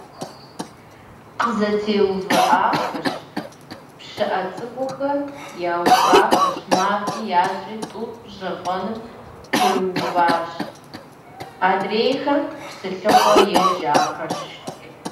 КъызэтеувыӀахэщ, пщыӀэ цӀыкӀухэр яухуахэщ, мафӀи ящӀри тӀур пщэфӀэным пэрыуващ, адрейхэр псылъыхъуэ ежьахэщ.